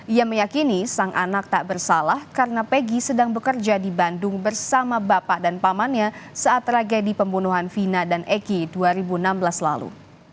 ia meyakini sang anak tak bersalah karena pegi sedang bekerja di bandung bersama bapak dan pamannya saat tragedi pembunuhan vina dan egy dua ribu enam belas lalu